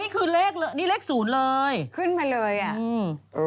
นี่คือเลขนี่เลขศูนย์เลยขึ้นมาเลยอ่ะอืม